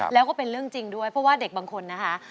แล้วก็เป็นเรื่องจริงด้วยเพราะว่าเด็กบางคนนะคะ